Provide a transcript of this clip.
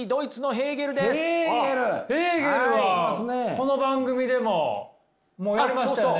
ヘーゲルはこの番組でももうやりましたよね？